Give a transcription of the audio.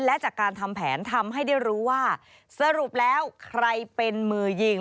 และจากการทำแผนทำให้ได้รู้ว่าสรุปแล้วใครเป็นมือยิง